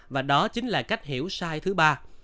và đó chính là cách hiểu sai thứ ba